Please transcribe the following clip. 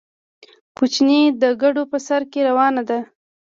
کوچۍ د کډو په سر کې روانه ده